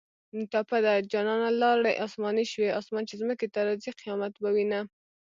ټپه ده: جانانه لاړې اسماني شوې اسمان چې ځمکې ته راځي قیامت به وینه